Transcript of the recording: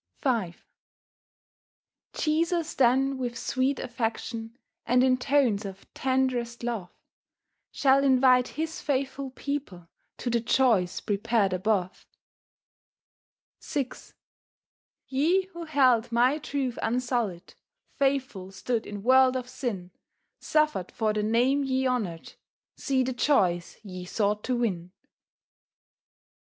V Jesus then with sweet affection, And in tones of tenderest love, Shall invite His faithful people To the joys prepared above. VI "Ye who held My truth unsullied, Faithful stood in world of sin, Suffered for the name ye honoured, See the joys ye sought to win.